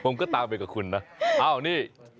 เมืองเก่าของเราแต่กรอง